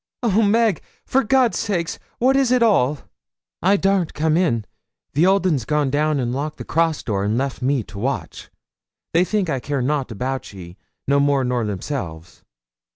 'Oh, Meg! for God's sake, what is it all?' 'I darn't come in. The old un's gone down, and locked the cross door, and left me to watch. They think I care nout about ye, no more nor themselves.